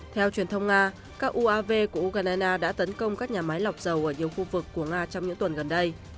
theo truyền thông nga các uav của ukraine đã tấn công các nhà máy lọc dầu ở nhiều khu vực của nga trong những tuần gần đây